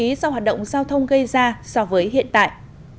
tại sao hoạt động giao thông gây ra so với hiện tại